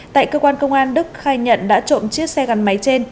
tại cơ quan công an đức khai nhận đã trộm chiếc xe gắn máy trên